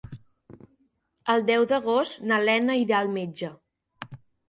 El deu d'agost na Lena irà al metge.